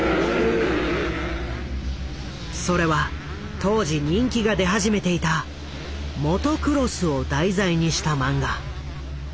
それは当時人気が出始めていたモトクロスを題材にした漫画。